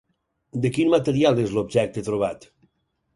De quin material és l'objecte trobat?